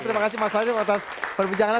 terima kasih mas hazil atas perbujangan